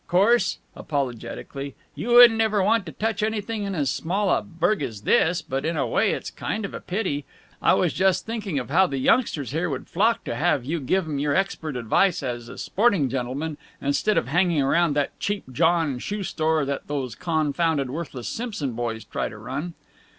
'Course," apologetically, "you wouldn't ever want to touch anything in as small a burg as this, but in a way it's kind of a pity. I was just thinking of how the youngsters here would flock to have you give 'em your expert advice as a sporting gentleman, instead of hanging around that cheap John shoe store that those confounded worthless Simpson boys try to run."